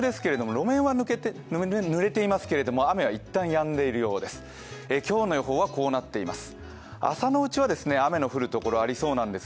路面はぬれていますけれども雨はいったん、やんでいるようです